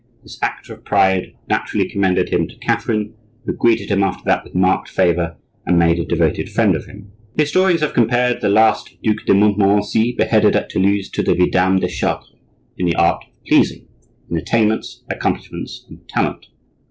This act of pride naturally commended him to Catherine, who greeted him after that with marked favor and made a devoted friend of him. Historians have compared the last Duc de Montmorency, beheaded at Toulouse, to the Vidame de Chartres, in the art of pleasing, in attainments, accomplishments, and talent.